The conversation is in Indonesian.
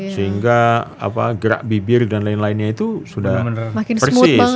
sehingga gerak bibir dan lain lainnya itu sudah persis